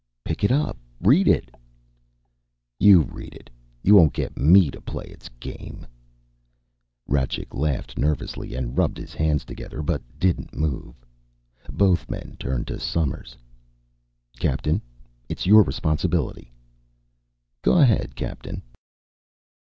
"Pick it up! Read it!" "You read it. You won't get me to play its game." Rajcik laughed nervously and rubbed his hands together, but didn't move. Both men turned to Somers. "Captain, it's your responsibility." "Go ahead, Captain!"